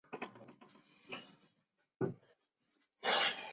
它们通常在清凉的黄昏捕食。